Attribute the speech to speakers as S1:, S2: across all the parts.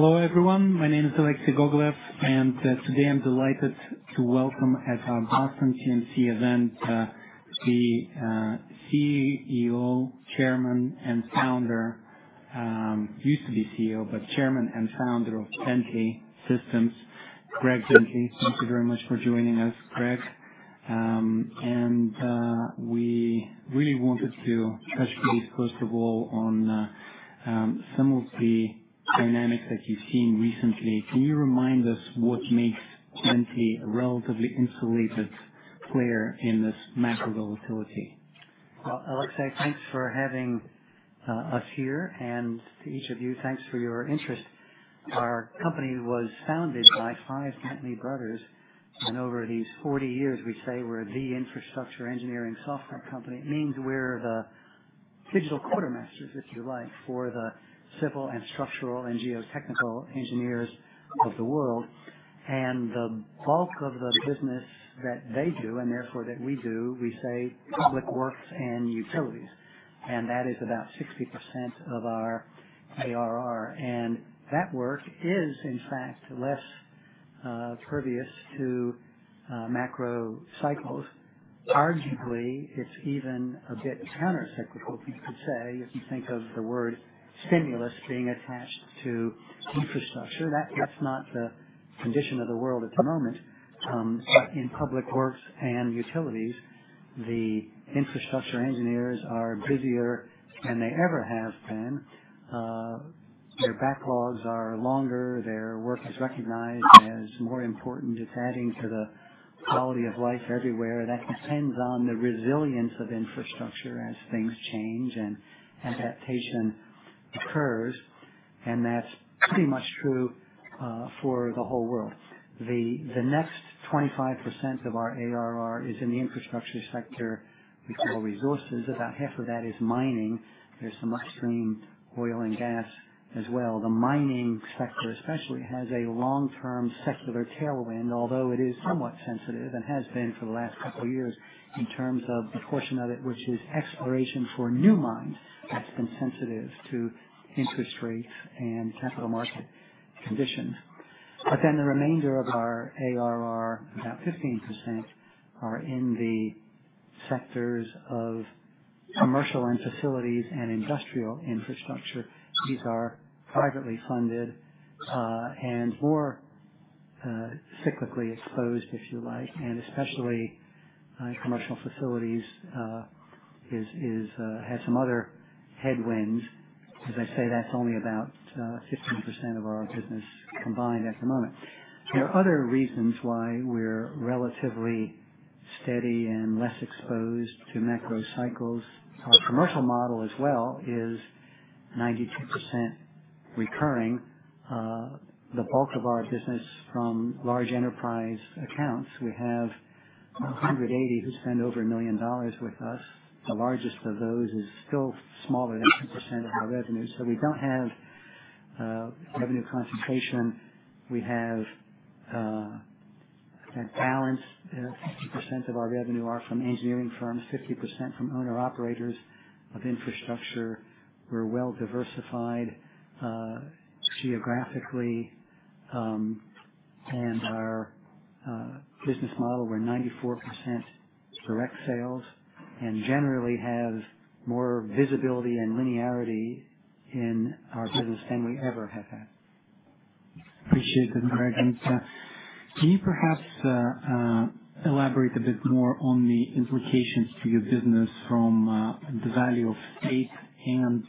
S1: Hello, everyone. My name is Alexei Gogolev, and today I'm delighted to welcome at our Boston TNC event the CEO, Chairman, and Founder, used to be CEO, but Chairman and Founder of Bentley Systems, Greg Bentley. Thank you very much for joining us, Greg, and we really wanted to touch base, first of all, on some of the dynamics that you've seen recently. Can you remind us what makes Bentley a relatively insulated player in this macro volatility?
S2: Alexei, thanks for having us here, and to each of you, thanks for your interest. Our company was founded by five Bentley brothers, and over these 40 years, we say we're the infrastructure engineering software company. It means we're the digital quartermasters, if you like, for the civil and structural and geotechnical engineers of the world. And the bulk of the business that they do, and therefore that we do, we say public works and utilities, and that is about 60% of our ARR. And that work is, in fact, less pervious to macro cycles. Arguably, it's even a bit countercyclical, you could say, if you think of the word stimulus being attached to infrastructure. That's not the condition of the world at the moment. But in public works and utilities, the infrastructure engineers are busier than they ever have been. Their backlogs are longer. Their work is recognized as more important. It's adding to the quality of life everywhere. That depends on the resilience of infrastructure as things change and adaptation occurs. And that's pretty much true for the whole world. The next 25% of our ARR is in the infrastructure sector, which we call resources. About half of that is mining. There's some upstream oil and gas as well. The mining sector, especially, has a long-term secular tailwind, although it is somewhat sensitive and has been for the last couple of years in terms of the portion of it which is exploration for new mines. That's been sensitive to interest rates and capital market conditions. But then the remainder of our ARR, about 15%, are in the sectors of commercial and facilities and industrial infrastructure. These are privately funded and more cyclically exposed, if you like, and especially commercial facilities have some other headwinds. As I say, that's only about 15% of our business combined at the moment. There are other reasons why we're relatively steady and less exposed to macro cycles. Our commercial model as well is 92% recurring. The bulk of our business is from large enterprise accounts. We have 180 who spend over $1 million with us. The largest of those is still smaller than 2% of our revenue. So we don't have revenue concentration. We have a balance. 50% of our revenue are from engineering firms, 50% from owner-operators of infrastructure. We're well diversified geographically, and our business model, we're 94% direct sales, and generally have more visibility and linearity in our business than we ever have had.
S1: Appreciate that, Greg. And can you perhaps elaborate a bit more on the implications to your business from the value of state and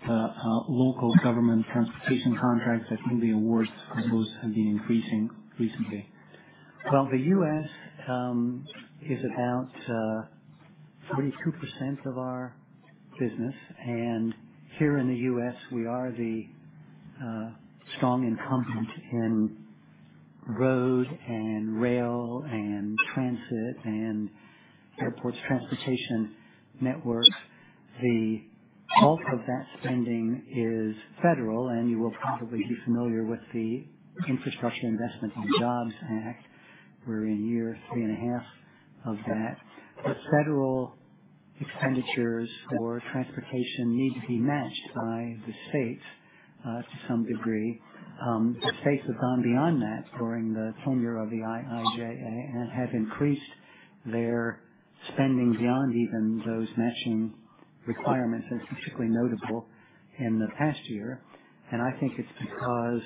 S1: local government transportation contracts that in the awards have been increasing recently?
S2: The U.S. is about 42% of our business. Here in the U.S., we are the strong incumbent in road and rail and transit and airports transportation networks. The bulk of that spending is federal, and you will probably be familiar with the Infrastructure Investment and Jobs Act. We're in year three and a half of that. The federal expenditures for transportation need to be matched by the states to some degree. The states have gone beyond that during the tenure of the IIJA and have increased their spending beyond even those matching requirements. It's particularly notable in the past year. I think it's because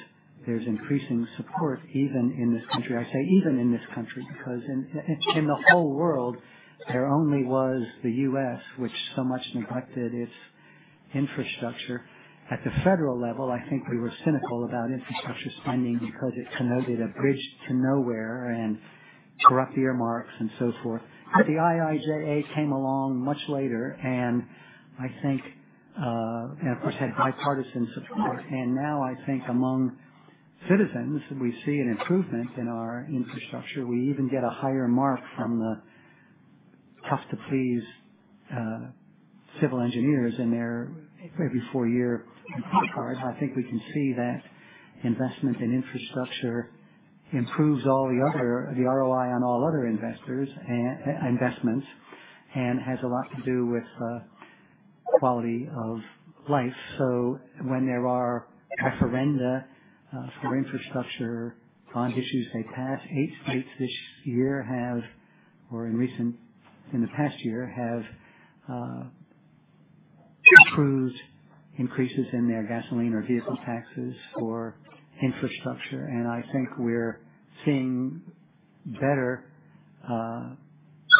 S2: there's increasing support even in this country. I say even in this country because in the whole world, there only was the U.S., which so much neglected its infrastructure. At the federal level, I think we were cynical about infrastructure spending because it connoted a bridge to nowhere and corrupt earmarks and so forth. But the IIJA came along much later, and I think, and of course, had bipartisan support. And now I think among citizens, we see an improvement in our infrastructure. We even get a higher mark from the tough-to-please civil engineers in their every four-year report card. I think we can see that investment in infrastructure improves all the other ROI on all other investments and has a lot to do with quality of life. So when there are referenda for infrastructure on issues they pass, eight states this year have, or in the past year, have approved increases in their gasoline or vehicle taxes for infrastructure. I think we're seeing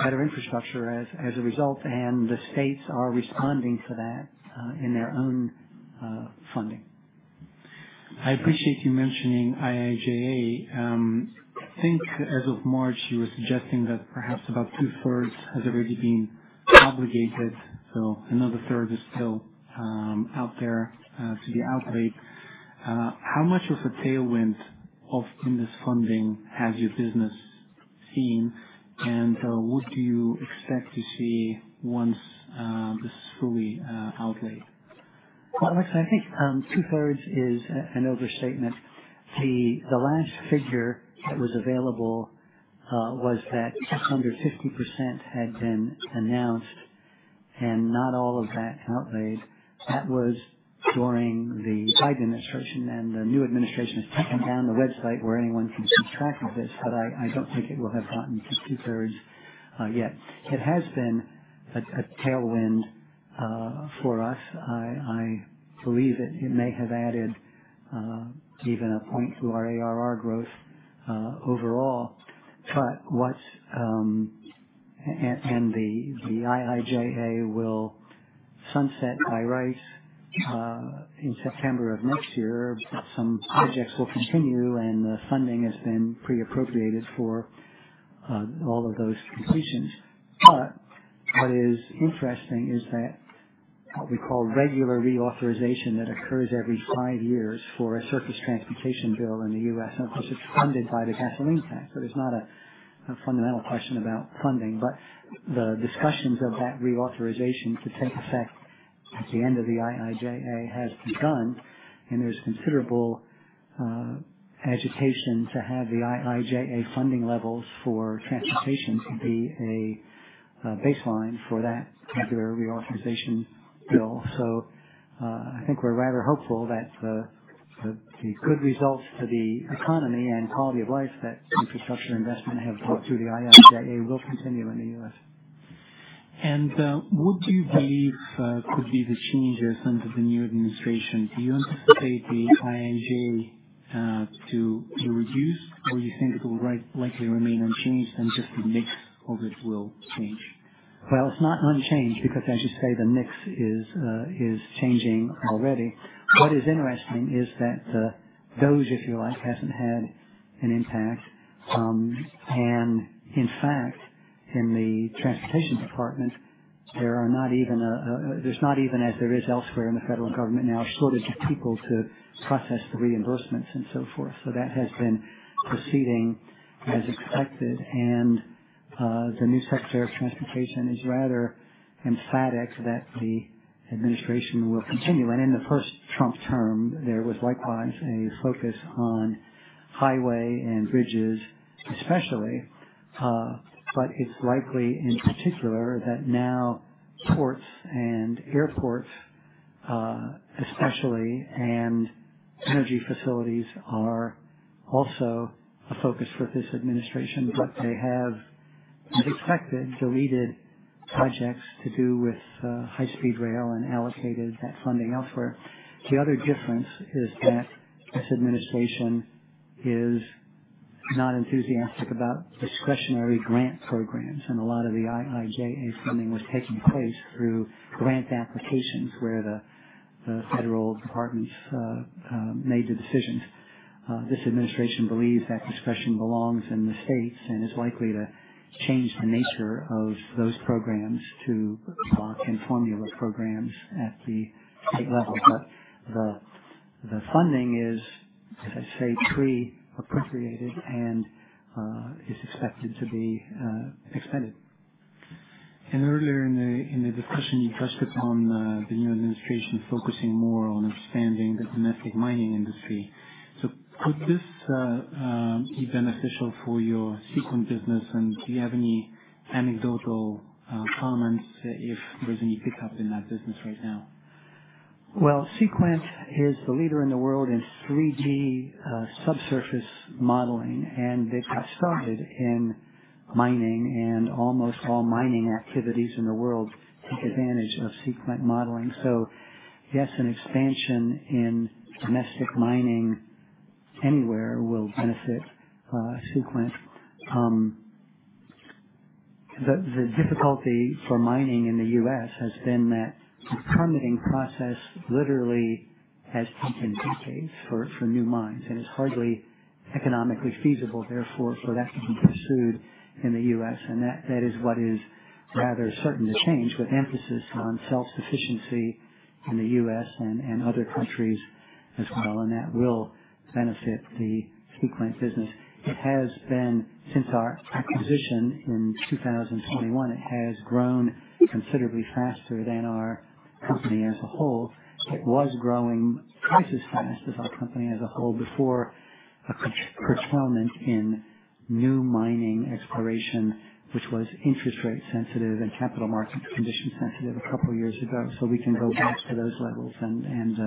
S2: better infrastructure as a result, and the states are responding to that in their own funding.
S1: I appreciate you mentioning IIJA. I think as of March, you were suggesting that perhaps about two-thirds has already been obligated, so another third is still out there to be outlaid. How much of a tailwind from this funding has your business seen, and what do you expect to see once this is fully outlaid?
S2: Alexey, I think two-thirds is an overstatement. The last figure that was available was that under 50% had been announced and not all of that outlaid. That was during the Biden administration, and the new administration has taken down the website where anyone can keep track of this, but I don't think it will have gotten to two-thirds yet. It has been a tailwind for us. I believe it may have added even a point to our ARR growth overall. And the IIJA will sunset outright in September of next year, but some projects will continue, and the funding has been pre-appropriated for all of those completions. But what is interesting is that what we call regular reauthorization that occurs every five years for a surface transportation bill in the U.S., and of course, it's funded by the gasoline tax, so there's not a fundamental question about funding. But the discussions of that reauthorization to take effect at the end of the IIJA have begun, and there's considerable agitation to have the IIJA funding levels for transportation be a baseline for that regular reauthorization bill. So I think we're rather hopeful that the good results for the economy and quality of life that infrastructure investment have brought through the IIJA will continue in the U.S.
S1: What do you believe could be the changes under the new administration? Do you anticipate the IIJA to be reduced, or do you think it will likely remain unchanged and just be mixed, or it will change?
S2: It's not unchanged because, as you say, the mix is changing already. What is interesting is that those, if you like, haven't had an impact. And in the transportation department, there's not even as there is elsewhere in the federal government now, shortage of people to process the reimbursements and so forth. So that has been proceeding as expected, and the new Secretary of Transportation is rather emphatic that the administration will continue. And in the first Trump term, there was likewise a focus on highway and bridges, especially. But it's likely in particular that now ports and airports, especially, and energy facilities are also a focus for this administration, but they have, as expected, deleted projects to do with high-speed rail and allocated that funding elsewhere. The other difference is that this administration is not enthusiastic about discretionary grant programs, and a lot of the IIJA funding was taking place through grant applications where the federal departments made the decisions. This administration believes that discretion belongs in the states and is likely to change the nature of those programs to block and formula programs at the state level. But the funding is, as I say, pre-appropriated and is expected to be expended.
S1: Earlier in the discussion, you touched upon the new administration focusing more on expanding the domestic mining industry. So could this be beneficial for your Seequent business, and do you have any anecdotal comments if there's any pickup in that business right now?
S2: Well, Seequent is the leader in the world in 3D subsurface modeling, and they got started in mining, and almost all mining activities in the world take advantage of Seequent modeling. So yes, an expansion in domestic mining anywhere will benefit Seequent. The difficulty for mining in the U.S. has been that the permitting process literally has taken decades for new mines and is hardly economically feasible, therefore, for that to be pursued in the U.S. And that is what is rather certain to change with emphasis on self-sufficiency in the U.S. and other countries as well, and that will benefit the Seequent business. It has been, since our acquisition in 2021, it has grown considerably faster than our company as a whole. It was growing twice as fast as our company as a whole before a pullback in new mining exploration, which was interest rate sensitive and capital market condition sensitive a couple of years ago. So we can go back to those levels and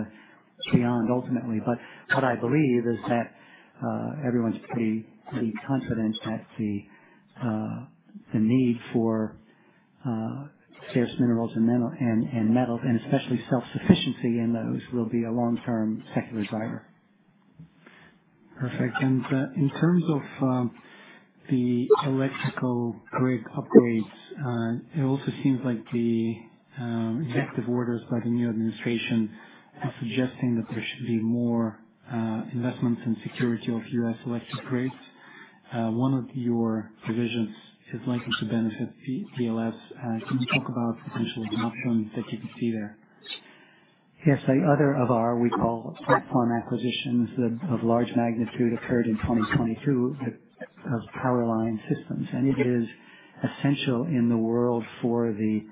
S2: beyond ultimately. But what I believe is that everyone's pretty confident that the need for scarce minerals and metals, and especially self-sufficiency in those, will be a long-term secular driver.
S1: Perfect. And in terms of the electrical grid upgrades, it also seems like the executive orders by the new administration are suggesting that there should be more investments in security of U.S. electric grids. One of your provisions is likely to benefit PLS. Can you talk about potential adoption that you can see there?
S2: Yes. Other of our—we call platform acquisitions of large magnitude occurred in 2022 of Power Line Systems, and it is essential in the world for the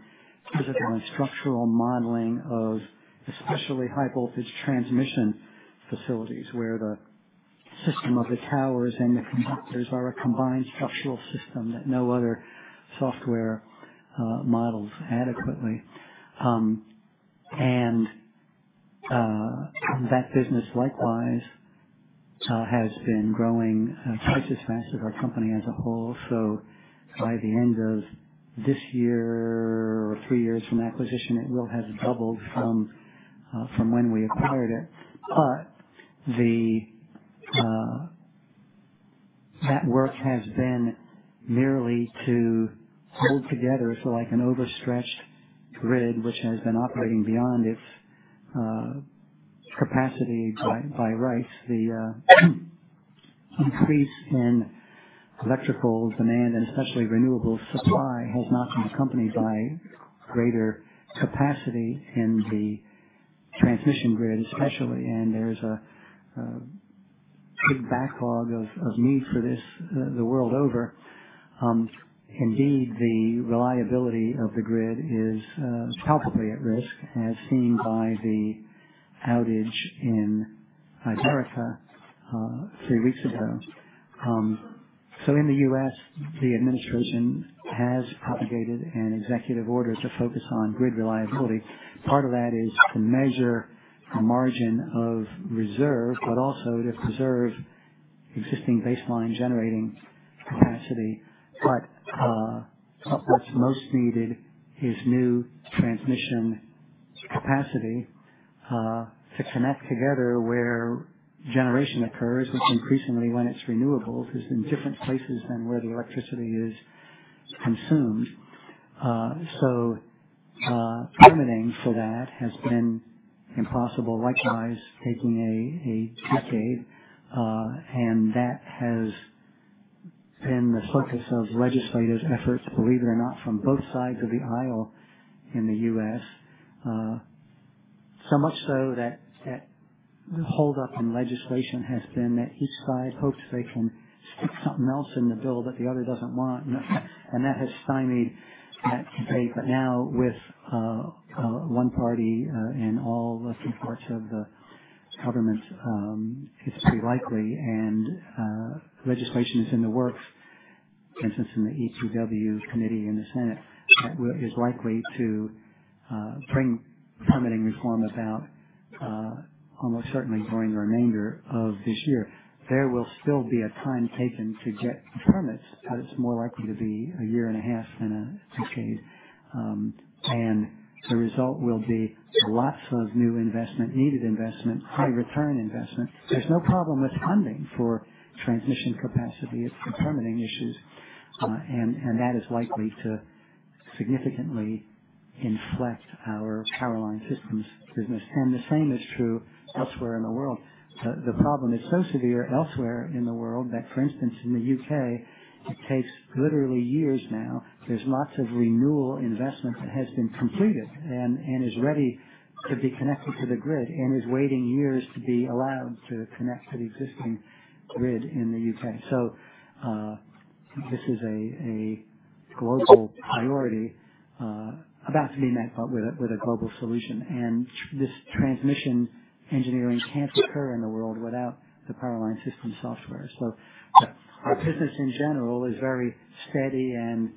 S2: physical and structural modeling of especially high-voltage transmission facilities where the system of the towers and the conductors are a combined structural system that no other software models adequately, and that business likewise has been growing twice as fast as our company as a whole, so by the end of this year or three years from acquisition, it will have doubled from when we acquired it, but that work has been merely to hold together like an overstretched grid, which has been operating beyond its capacity by rights. The increase in electrical demand and especially renewable supply has not been accompanied by greater capacity in the transmission grid especially, and there is a big backlog of need for this the world over. Indeed, the reliability of the grid is palpably at risk, as seen by the outage in America three weeks ago. So in the U.S., the administration has propagated an executive order to focus on grid reliability. Part of that is to measure the margin of reserve, but also to preserve existing baseline generating capacity. But what's most needed is new transmission capacity to connect together where generation occurs, which increasingly when it's renewables is in different places than where the electricity is consumed. So permitting for that has been impossible. Likewise, taking a decade, and that has been the focus of legislative efforts, believe it or not, from both sides of the aisle in the U.S. So much so that the holdup in legislation has been that each side hopes they can stick something else in the bill that the other doesn't want. And that has stymied that debate. But now, with one party in all three parts of the government, it's pretty likely, and legislation is in the works, for instance, in the EPW Committee in the Senate, that is likely to bring permitting reform about almost certainly during the remainder of this year. There will still be a time taken to get the permits, but it's more likely to be a year and a half than a decade. And the result will be lots of new investment, needed investment, high-return investment. There's no problem with funding for transmission capacity. It's the permitting issues, and that is likely to significantly inflect our Power Line Systems business. And the same is true elsewhere in the world. The problem is so severe elsewhere in the world that, for instance, in the U.K., it takes literally years now. There's lots of renewable investment that has been completed and is ready to be connected to the grid and is waiting years to be allowed to connect to the existing grid in the U.K. So this is a global priority about to be met with a global solution. And this transmission engineering can't occur in the world without the Power Line Systems software. So our business in general is very steady and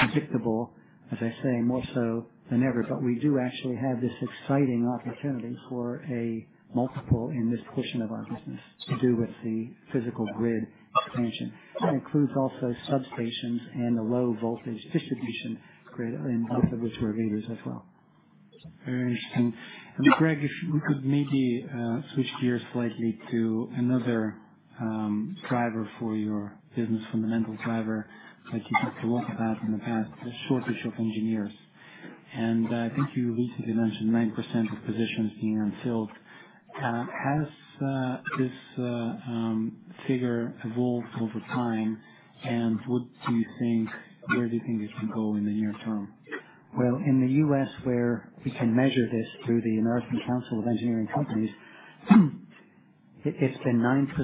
S2: predictable, as I say, more so than ever. But we do actually have this exciting opportunity for a multiple in this portion of our business to do with the physical grid expansion. That includes also substations and a low-voltage distribution grid, both of which we are leaders as well.
S1: Very interesting. And Greg, if we could maybe switch gears slightly to another driver for your business, fundamental driver, like you talked about in the past, the shortage of engineers. And I think you recently mentioned 9% of positions being unfilled. Has this figure evolved over time, and where do you think it can go in the near term?
S2: In the U.S., where we can measure this through the American Council of Engineering Companies, it's been 9%.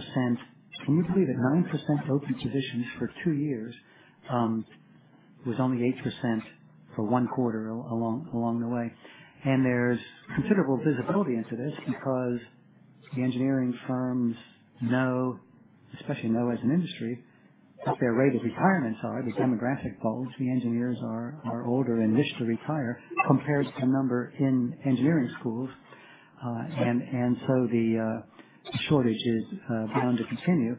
S2: Can you believe it? 9% open positions for two years was only 8% for one quarter along the way, and there's considerable visibility into this because the engineering firms know, especially know as an industry, what their rate of retirements are, the demographic bulge. The engineers are older and wish to retire compared to the number in engineering schools, and so the shortage is bound to continue,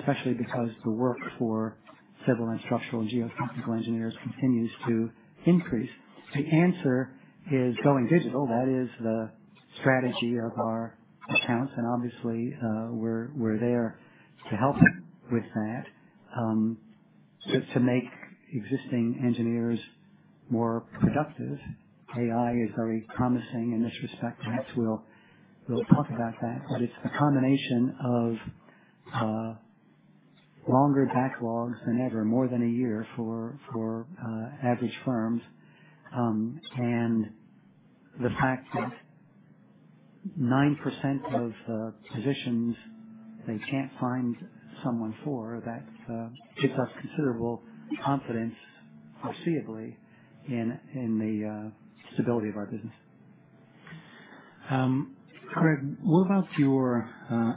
S2: especially because the work for civil and structural and geotechnical engineers continues to increase. The answer is going digital. That is the strategy of our accounts, and obviously, we're there to help with that, to make existing engineers more productive. AI is very promising in this respect. Perhaps we'll talk about that. But it's the combination of longer backlogs than ever, more than a year for average firms, and the fact that 9% of the positions they can't find someone for, that gives us considerable confidence, foreseeably, in the stability of our business.
S1: Greg, what about your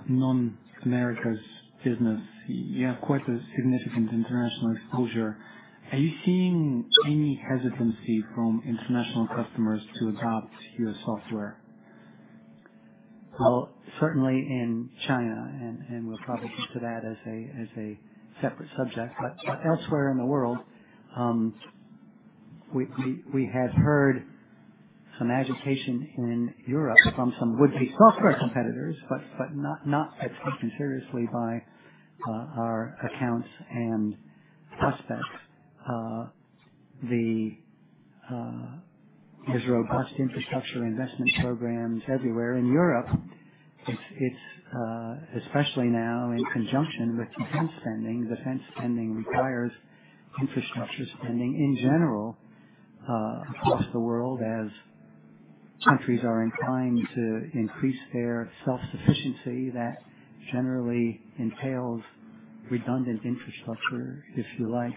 S1: non-Americas business? You have quite a significant international exposure. Are you seeing any hesitancy from international customers to adopt your software?
S2: Well, certainly in China, and we'll probably get to that as a separate subject. But elsewhere in the world, we have heard some agitation in Europe from some would-be software competitors, but not taken seriously by our accounts and prospects. There's robust infrastructure investment programs everywhere. In Europe, especially now in conjunction with defense spending, defense spending requires infrastructure spending in general across the world as countries are inclined to increase their self-sufficiency. That generally entails redundant infrastructure, if you like.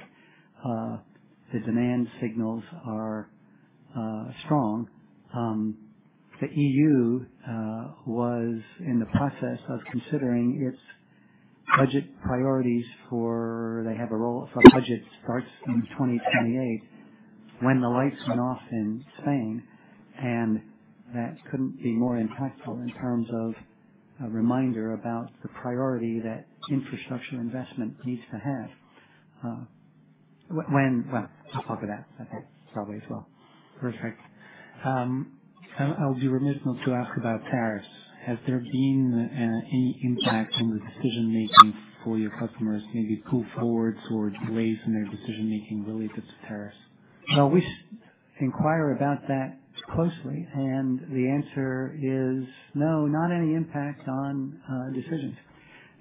S2: The demand signals are strong. The EU was in the process of considering its budget priorities for they have a role for budget starts in 2028 when the lights went off in Spain. And that couldn't be more impactful in terms of a reminder about the priority that infrastructure investment needs to have. Well, we'll talk of that, I think, probably as well.
S1: Perfect. I'll be remiss not to ask about tariffs. Has there been any impact on the decision-making for your customers, maybe pull forwards or delays in their decision-making related to tariffs?
S2: We inquire about that closely, and the answer is no, not any impact on decisions.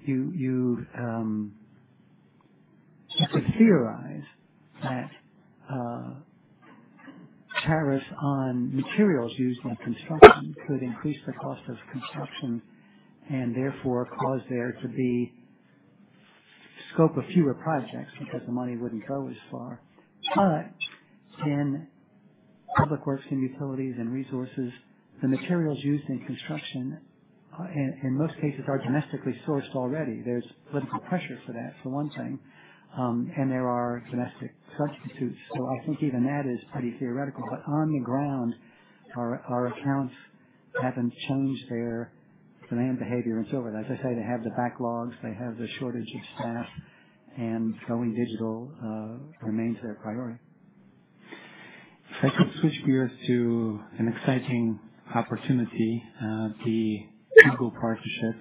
S2: You could theorize that tariffs on materials used in construction could increase the cost of construction and therefore cause there to be scope of fewer projects because the money wouldn't go as far. But in public works and utilities and resources, the materials used in construction, in most cases, are domestically sourced already. There's political pressure for that, for one thing, and there are domestic substitutes. So I think even that is pretty theoretical. But on the ground, our accounts haven't changed their demand behavior and so forth. As I say, they have the backlogs. They have the shortage of staff, and going digital remains their priority.
S1: If I could switch gears to an exciting opportunity, the Google Partnership,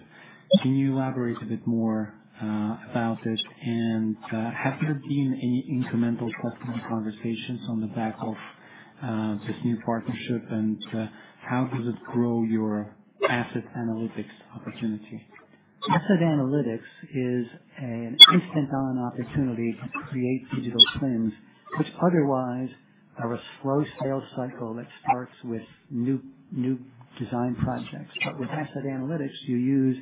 S1: can you elaborate a bit more about it? And have there been any incremental customer conversations on the back of this new partnership, and how does it grow your asset analytics opportunity?
S2: Asset analytics is an instant-on opportunity to create digital twins, which otherwise are a slow sales cycle that starts with new design projects. But with asset analytics, you use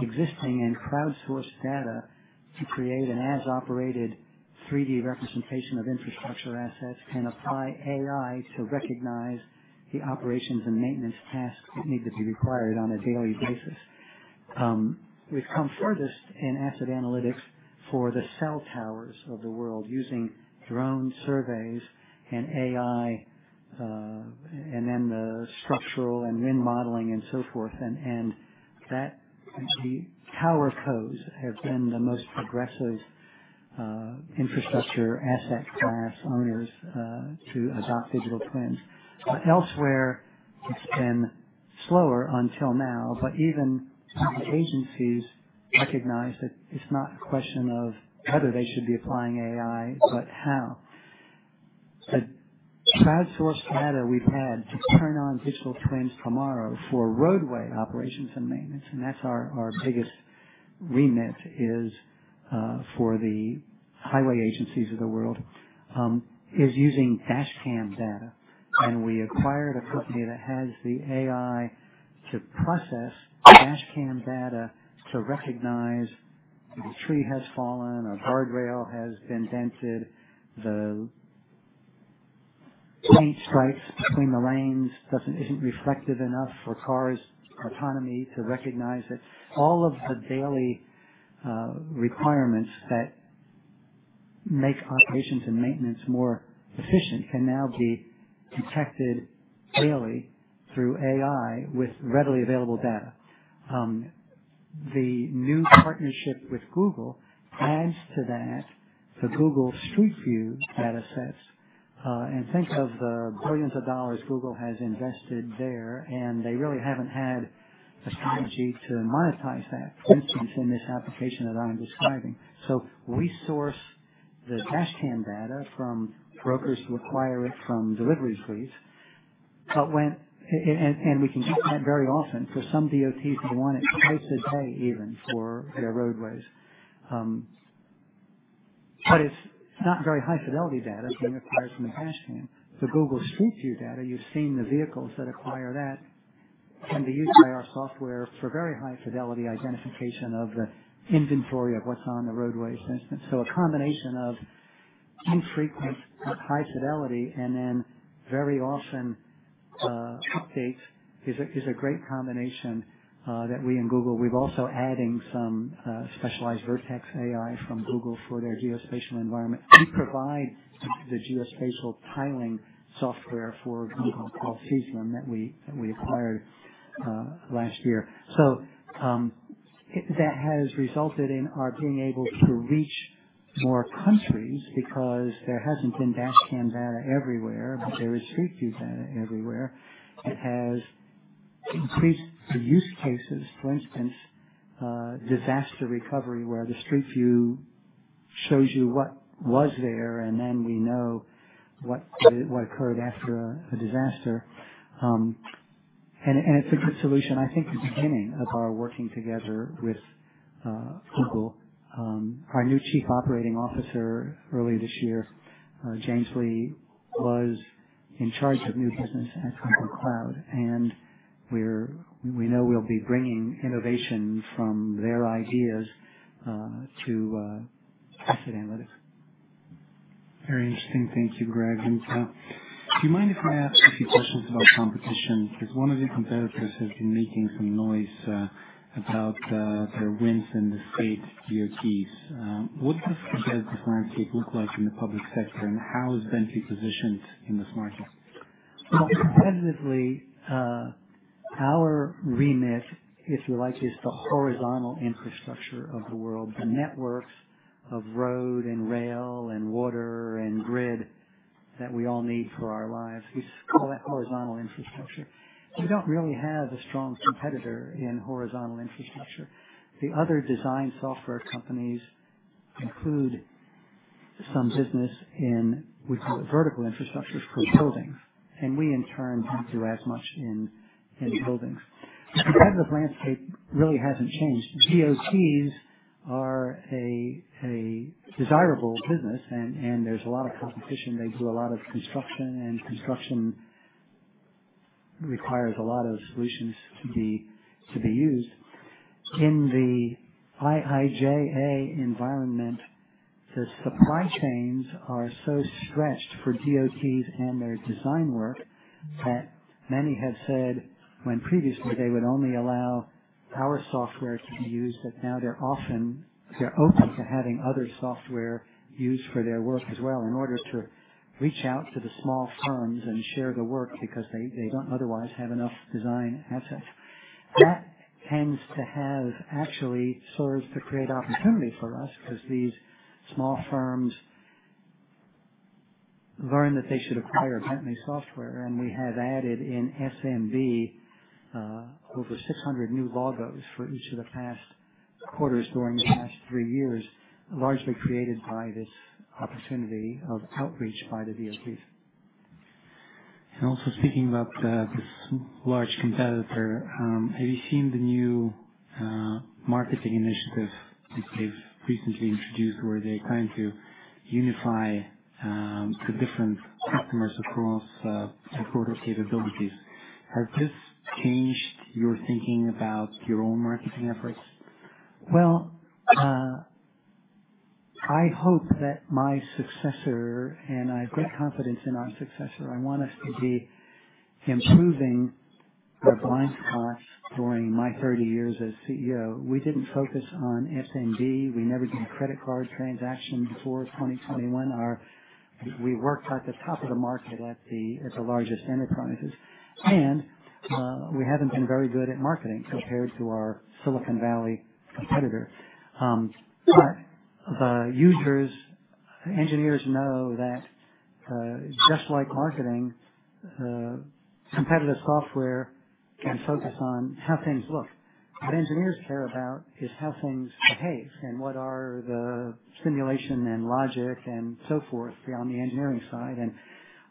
S2: existing and crowdsourced data to create an as-operated 3D representation of infrastructure assets and apply AI to recognize the operations and maintenance tasks that need to be required on a daily basis. We've come furthest in asset analytics for the cell towers of the world using drone surveys and AI, and then the structural and wind modeling and so forth, and the tower codes have been the most progressive infrastructure asset class owners to adopt digital twins. Elsewhere, it's been slower until now, but even the agencies recognize that it's not a question of whether they should be applying AI, but how. The crowdsourced data we've had to turn on digital twins tomorrow for roadway operations and maintenance, and that's our biggest remit for the highway agencies of the world, is using dashcam data, and we acquired a company that has the AI to process dashcam data to recognize the tree has fallen, a guardrail has been dented, the paint stripes between the lanes isn't reflective enough for cars' autonomy to recognize it. All of the daily requirements that make operations and maintenance more efficient can now be detected daily through AI with readily available data. The new partnership with Google adds to that the Google Street View datasets, and think of the billions of dollars Google has invested there, and they really haven't had the strategy to monetize that, for instance, in this application that I'm describing, so we source the dashcam data from brokers who acquire it from delivery fleets. And we can get that very often for some DOTs who want it twice a day even for their roadways. But it's not very high fidelity data being acquired from the dashcam. The Google Street View data, you've seen the vehicles that acquire that can be used by our software for very high fidelity identification of the inventory of what's on the roadways, for instance. So a combination of infrequent, high fidelity, and then very often updates is a great combination that we in Google, we've also adding some specialized Vertex AI from Google for their geospatial environment. We provide the geospatial tiling software for Google called Cesium that we acquired last year. So that has resulted in our being able to reach more countries because there hasn't been dashcam data everywhere, but there is Street View data everywhere. It has increased the use cases, for instance, disaster recovery, where the Street View shows you what was there, and then we know what occurred after a disaster, and it's a good solution, I think, beginning of our working together with Google. Our new Chief Operating Officer earlier this year, James Lee, was in charge of new business at Google Cloud, and we know we'll be bringing innovation from their ideas to asset analytics.
S1: Very interesting. Thank you, Greg. And do you mind if I ask a few questions about competition? Because one of your competitors has been making some noise about their wins in the state DOTs. What does the competitive landscape look like in the public sector, and how is Bentley positioned in this market?
S2: Competitively, our remit, if you like, is the horizontal infrastructure of the world, the networks of road and rail and water and grid that we all need for our lives. We just call that horizontal infrastructure. We don't really have a strong competitor in horizontal infrastructure. The other design software companies include some business in vertical infrastructure for buildings, and we in turn don't do as much in buildings. The competitive landscape really hasn't changed. DOTs are a desirable business, and there's a lot of competition. They do a lot of construction, and construction requires a lot of solutions to be used. In the IIJA environment, the supply chains are so stretched for DOTs and their design work that many have said when previously they would only allow our software to be used, that now they're open to having other software used for their work as well in order to reach out to the small firms and share the work because they don't otherwise have enough design assets. That tends to have actually served to create opportunity for us because these small firms learned that they should acquire Bentley Software, and we have added in SMB over 600 new logos for each of the past quarters during the past three years, largely created by this opportunity of outreach by the DOTs.
S1: Also speaking about this large competitor, have you seen the new marketing initiative that they've recently introduced where they're trying to unify the different customers across broader capabilities? Has this changed your thinking about your own marketing efforts?
S2: I hope that my successor, and I have great confidence in our successor. I want us to be improving our blind spots during my 30 years as CEO. We didn't focus on SMB. We never did a credit card transaction before 2021. We worked at the top of the market at the largest enterprises, and we haven't been very good at marketing compared to our Silicon Valley competitor, but the users, engineers know that just like marketing, competitive software can focus on how things look. What engineers care about is how things behave and what are the simulation and logic and so forth on the engineering side, and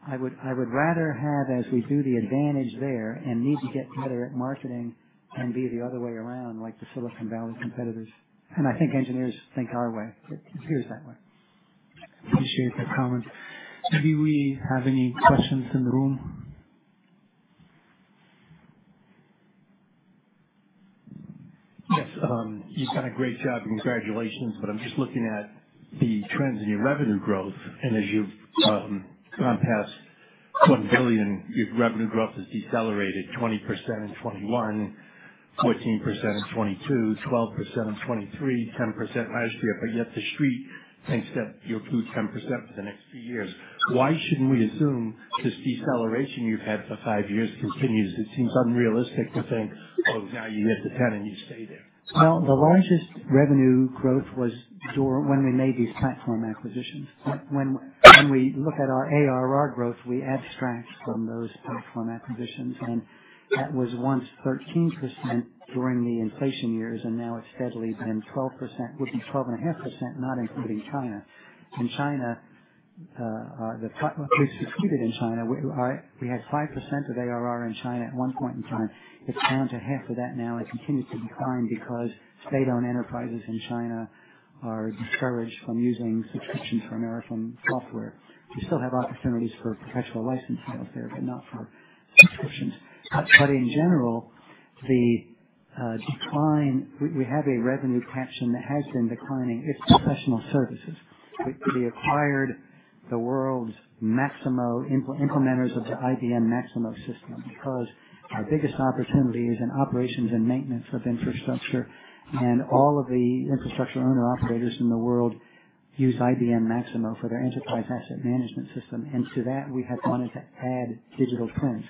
S2: I would rather have, as we do, the advantage there and need to get better at marketing and be the other way around like the Silicon Valley competitors, and I think engineers think our way. It appears that way.
S1: Appreciate that comment. Maybe we have any questions in the room? Yes. You've done a great job. Congratulations. But I'm just looking at the trends in your revenue growth. And as you've gone past $1 billion, your revenue growth has decelerated 20% in 2021, 14% in 2022, 12% in 2023, 10% last year. But yet the street thinks that you'll do 10% for the next few years. Why shouldn't we assume this deceleration you've had for five years continues? It seems unrealistic to think, "Oh, now you get to 10 and you stay there.
S2: The largest revenue growth was when we made these platform acquisitions. When we look at our ARR growth, we abstract from those platform acquisitions, and that was once 13% during the inflation years, and now it's steadily been 12%, would be 12.5%, not including China. In China, we've succeeded in China. We had 5% of ARR in China at one point in time. It's down to half of that now and continues to decline because state-owned enterprises in China are discouraged from using subscriptions for American software. We still have opportunities for perpetual licensing out there, but not for subscriptions. But in general, we have a revenue caption that has been declining. It's professional services. We acquired the world's Maximo implementers of the IBM Maximo system because our biggest opportunity is in operations and maintenance of infrastructure. And all of the infrastructure owner-operators in the world use IBM Maximo for their enterprise asset management system. And to that, we have wanted to add digital twins.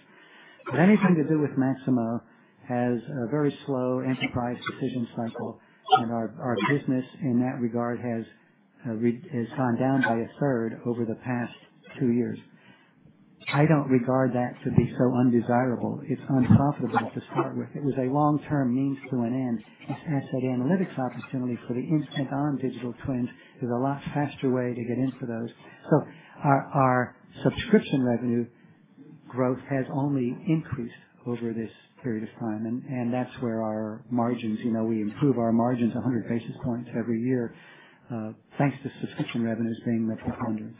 S2: But anything to do with Maximo has a very slow enterprise decision cycle, and our business in that regard has gone down by a third over the past two years. I don't regard that to be so undesirable. It's unprofitable to start with. It was a long-term means to an end. This asset analytics opportunity for the instant-on digital twins is a lot faster way to get in for those. So our subscription revenue growth has only increased over this period of time, and that's where our margins - we improve our margins 100 basis points every year - thanks to subscription revenues being metronomic.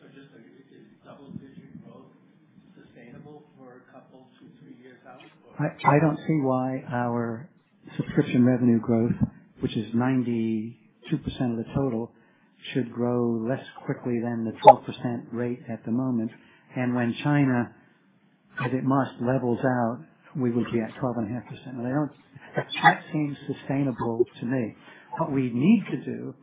S2: So just a double-digit growth, sustainable for a couple to three years out? I don't see why our subscription revenue growth, which is 92% of the total, should grow less quickly than the 12% rate at the moment, and when China, as it must, levels out, we will be at 12.5%. That seems sustainable to me. What we need to do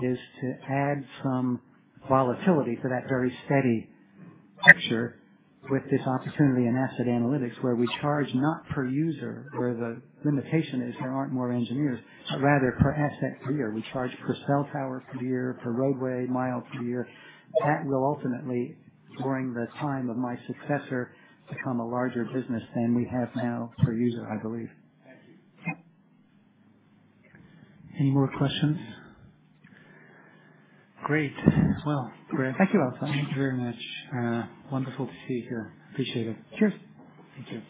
S2: is to add some volatility to that very steady picture with this opportunity in asset analytics where we charge not per user, where the limitation is there aren't more engineers, but rather per asset per year. We charge per cell tower per year, per roadway mile per year. That will ultimately, during the time of my successor, become a larger business than we have now per user, I believe. Thank you.
S1: Any more questions? Great. Well, Greg.
S2: Thank you all so much.
S1: Thank you very much. Wonderful to see you here. Appreciate it.
S2: Cheers.
S1: Thank you.